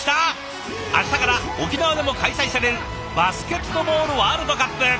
明日から沖縄でも開催されるバスケットボールワールドカップ。